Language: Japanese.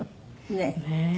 ねえ。